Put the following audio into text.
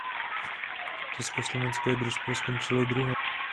Československé družstvo skončilo druhé.